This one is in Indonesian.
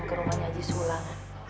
ke rumahnya jisulang